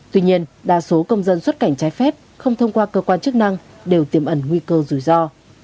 tuy nhiên đa số công dân xuất cảnh trái phép không thông qua cơ quan chức năng đều tiềm ẩn nguy cơ rủi ro